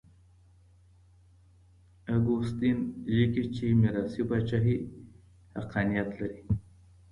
اګوستين ليکي چي ميراثي پاچاهي حقانيت لري.